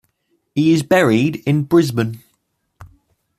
He is buried in Brisbane.